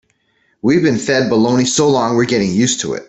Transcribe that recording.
We've been fed baloney so long we're getting used to it.